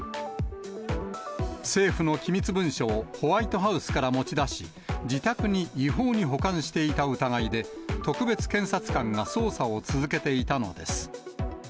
政府の機密文書をホワイトハウスから持ち出し、自宅に違法に保管していた疑いで、特別検察官が捜査を続けていたのです。